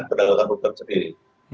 tindakan untuk tersendiri